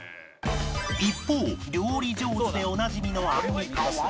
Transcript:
一方料理上手でおなじみのアンミカは